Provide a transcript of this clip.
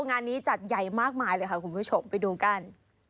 งานนี้จัดใหญ่มากมายเลยค่ะคุณผู้ชมไปดูกัน